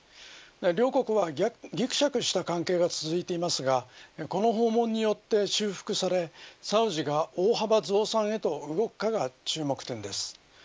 両国はぎくしゃくした関係が続いていますがこの訪問によって修復されサウジが大幅増産へと動くかが注目点です。